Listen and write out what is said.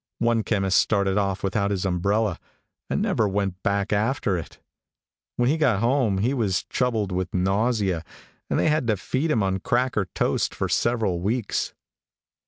One chemist started off without his umbrella, and never went back after it. When he got home he was troubled with nausea, and they had to feed him on cracker toast for several weeks.